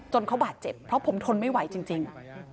เขาบาดเจ็บเพราะผมทนไม่ไหวจริง